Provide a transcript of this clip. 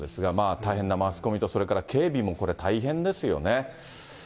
大変なマスコミと、それから警備も大変ですよね。